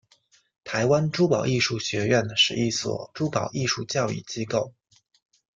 台湾珠宝艺术学院是一所珠宝艺术教育机构。